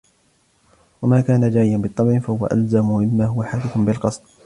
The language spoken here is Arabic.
وَمَا كَانَ جَارِيًا بِالطَّبْعِ فَهُوَ أَلْزَمُ مِمَّا هُوَ حَادِثٌ بِالْقَصْدِ